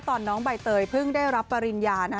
น้องใบเตยเพิ่งได้รับปริญญานะฮะ